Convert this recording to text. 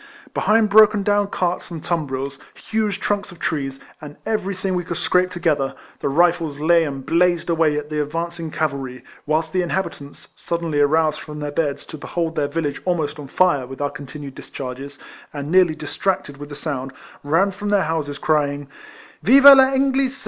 Behind broken down carts and tumbrils, huge trunks of I 170 EECOLLECTIONS OF trees, and eveiything we could scrape to gether, the Rifles lay and blazed away at the advancing cavalry, whilst the inhabitants, suddenly aroused from their beds to behold their village almost on fire with our con tinued discharges, and nearly distracted with the sound, ran from their houses, crying " Viva VEnglisa!"